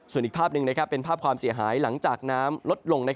ส่วนอีกภาพหนึ่งเป็นภาพความเสียหายหลังจากน้ำลดลง